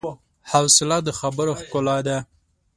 حوصله د خبرو ښکلا ده.